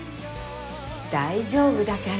大丈夫だから。